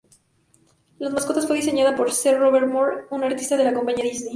La mascota fue diseñada por C. Robert Moore, un artista de la compañía Disney.